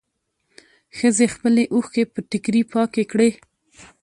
ښځې خپلې اوښکې په ټيکري پاکې کړې.